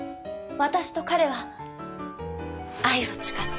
私と彼は愛を誓った。